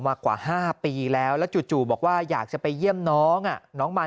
มากว่า๕ปีแล้วแล้วจู่บอกว่าอยากจะไปเยี่ยมน้องน้องมา